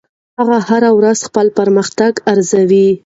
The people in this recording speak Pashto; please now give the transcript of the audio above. هغه هره ورځ خپل پرمختګ ارزوي.